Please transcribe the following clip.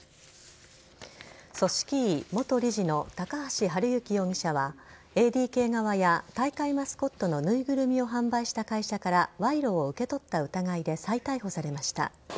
組織委・元理事の高橋治之容疑者はＡＤＫ側や大会マスコットのぬいぐるみを販売した会社から賄賂を受け取った疑いで再逮捕されました。